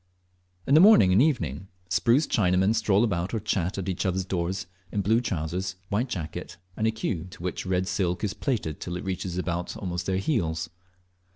In the morning and evening, spruce Chinamen stroll about or chat at each other's doors, in blue trousers, white jacket, and a queue into which red silk is plaited till it reaches almost to their heels.